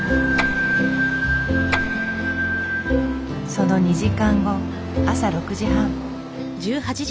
その２時間後朝６時半。